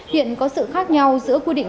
hiện có sự khác nhau giữa quy định